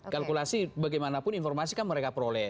kalkulasi bagaimanapun informasi kan mereka peroleh